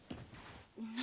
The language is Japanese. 何？